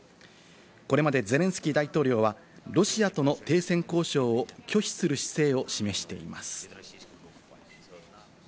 これまでゼレンスキー大統領はロシアとの停戦交渉を拒否する姿勢を示しています。